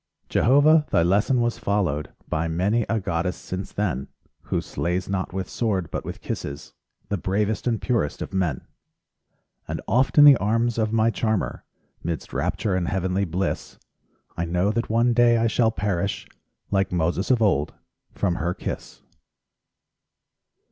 Jehovah, thy lesson was followed By many a goddess since then, Who slays not with sword, but with kisses The bravest and purest of men. And oft in the arms of my charmer, 'Midst rapture and heavenly bliss, I know that one day I shall perish, Like Moses of old, from her kiss.